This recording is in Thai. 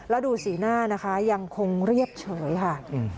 แล้วดูสีหน้านะคะยังคงเรียบเฉยค่ะ